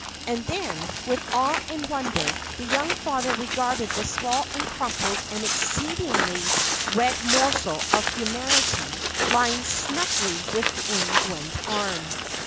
And then, with awe and wonder, the young father regarded the small and crumpled and exceedingly red morsel of humanity, lying snugly within Gwen's arm.